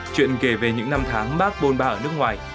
chuyện kể về những năm tháng bắc bồn bà ở nước ngoài